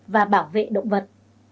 và bảo vệ động vật